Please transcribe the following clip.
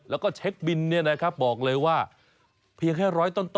แล้วก็เช็คบินนะครับบอกเลยว่าเพียงแค่ร้อยต้น